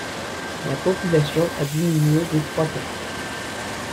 La population a diminué des trois quarts.